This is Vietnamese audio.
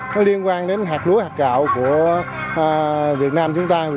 nó liên quan đến hạt lúa hạt gạo của việt nam chúng ta